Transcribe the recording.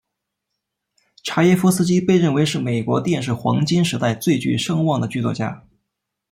查耶夫斯基被认为是美国电视黄金时代最具声望的剧作家。